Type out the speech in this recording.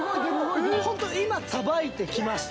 ホント今さばいてきました。